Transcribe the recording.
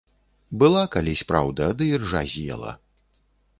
Была калісь праўда, ды іржа з'ела.